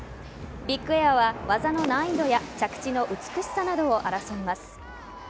ビッグエアは技の難易度や着地の美しさなどを争います。